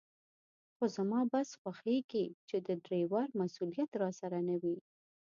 خو زما بس خوښېږي چې د ډریور مسوولیت راسره نه وي.